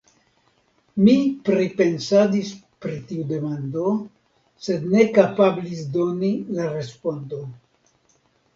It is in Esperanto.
Mi pripensadis pri tiu demando, sed ne kapablis doni la respondon.